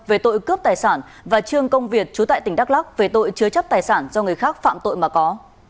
về tội cướp tài sản và trương công việt chú tại tỉnh đắk lắc về tội chứa chấp tài sản do người khác phạm tội mà có